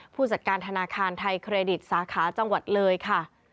ผู้จัดการธนาคารไทยเครดิตสาขาจังหวัดเลยค่ะ